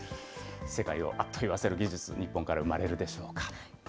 世界をあっと言わせる技術、日本から生まれるでしょうか。